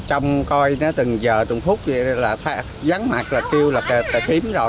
ông coi nó từng giờ từng phút vậy là giắng mặt là kêu là tệ tím rồi